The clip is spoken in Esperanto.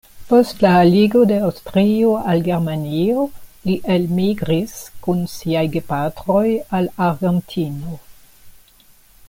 Post la aligo de Aŭstrio al Germanio li elmigris kun siaj gepatroj al Argentino.